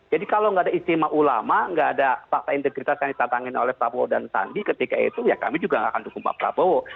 jadi kalau tidak ada istimewa ulama tidak ada fakta integritas yang ditantangkan oleh pak prabowo dan sandi ketika itu kami juga tidak akan mendukung pak prabowo